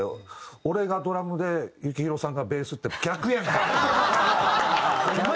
俺がドラムで幸宏さんがベースって逆やんかい！